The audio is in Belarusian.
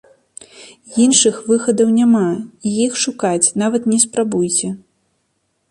Іншых выхадаў няма, і іх шукаць нават не спрабуйце.